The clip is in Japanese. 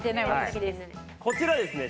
こちらですね